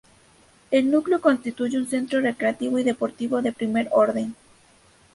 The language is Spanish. El núcleo constituye un centro recreativo y deportivo de primer orden.